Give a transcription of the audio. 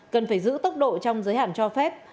cần phải giữ tốc độ trong giới hạn cho phép